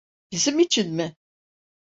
Bizim için mi?